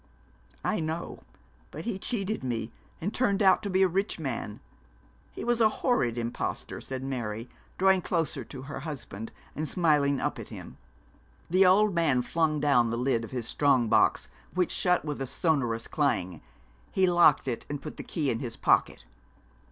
'I know. But he cheated me, and turned out to be a rich man. He was a horrid impostor,' said Mary, drawing closer to her husband, and smiling up at him. The old man flung down the lid of his strong box, which shut with a sonorous clang. He locked it, and put the key in his pocket.